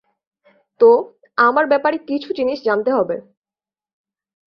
তো, আমার ব্যাপারে কিছু জিনিস জানতে হবে।